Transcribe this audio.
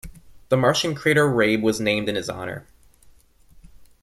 The Martian crater "Rabe" was named in his honor.